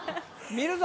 見るぞ！